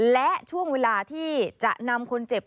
และช่วงเวลาที่จะนำคนเจ็บ